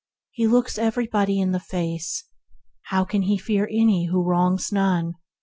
He looks everybody in the face. How can he fear any who wrongs none